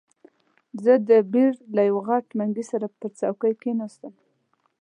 زه د بیر له یوه غټ منګي سره پر چوکۍ کښېناستم.